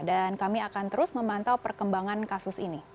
dan kami akan terus memantau perkembangan kasus ini